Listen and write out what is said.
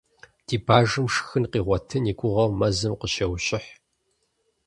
Ди бажэм шхын къигъуэтын и гугъэу мэзым къыщеущыхь.